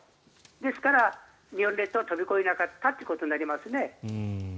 ですから、日本列島を飛び越えなかったということになりますね。